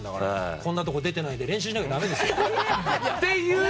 こんなところ出てないで練習しなきゃだめですよ。